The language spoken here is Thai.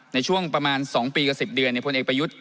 ในช่วงประมาณ๒ปีกับ๑๐เดือนพลเอกประยุทธ์